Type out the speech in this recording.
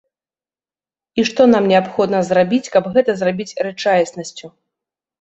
І што нам неабходна зрабіць, каб гэта зрабіць рэчаіснасцю.